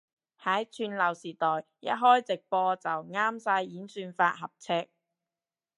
喺串流時代一開直播就啱晒演算法合尺